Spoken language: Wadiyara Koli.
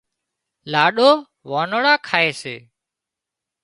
لاڏِو وانۯا کائي سي